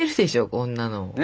こんなの。ね。